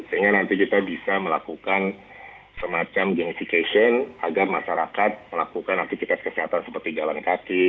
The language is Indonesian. sehingga nanti kita bisa melakukan semacam genification agar masyarakat melakukan aktivitas kesehatan seperti jalan kaki